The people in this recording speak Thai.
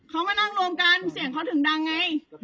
เขามานั่งรวมกันเสียงเขาถึงดังไง